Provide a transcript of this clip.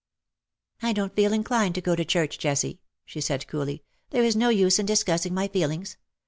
" I don^t feel inclined to go to church, Jessie,^^ she said, coolly ;" there is no use in discussing my feelings.